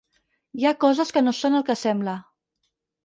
Hi ha coses que no són el que sembla.